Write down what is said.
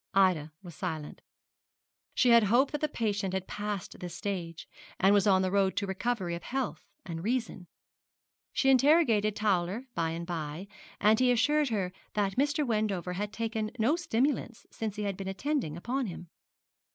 Ida was silent. She had hoped that the patient had passed this stage, and was on the road to recovery of health and reason. She interrogated Towler by and by, and he assured her that Mr. Wendover had taken no stimulants since he had been attending upon him.